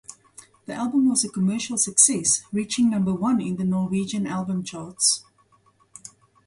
The album was a commercial success, reaching number one on the Norwegian Album Charts.